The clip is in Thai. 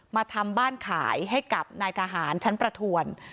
มาทำบ้านขายให้กับนายทหารชั้นประทวน